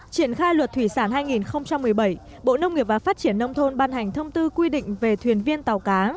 triển khai luật thủy sản hai nghìn một mươi bảy bộ nông nghiệp và phát triển nông thôn ban hành thông tư quy định về thuyền viên tàu cá